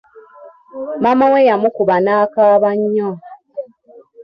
Maama we yamukuba n'akaaba nnyo.